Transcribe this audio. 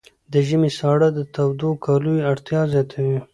د ژمي ساړه د تودو کالیو اړتیا زیاتوي.